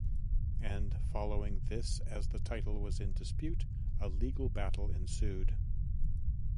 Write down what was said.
And following this as the title was in dispute, a legal battle ensued.